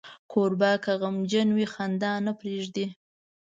کوربه که غمجن وي، خندا نه پرېږدي.